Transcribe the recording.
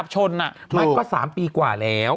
ชนมันก็๓ปีกว่าแล้ว